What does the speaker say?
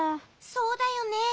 そうだよね。